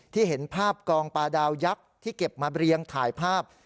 เห็นภาพกองปลาดาวยักษ์ที่เก็บมาเรียงถ่ายภาพ